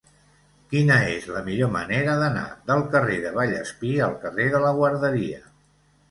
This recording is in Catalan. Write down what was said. Quina és la millor manera d'anar del carrer de Vallespir al carrer de la Guarderia?